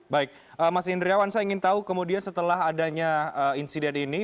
baik mas indriawan saya ingin tahu kemudian setelah adanya insiden ini